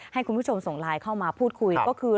ให้คุณผู้ชมส่งไลน์เข้ามาพูดคุยก็คือ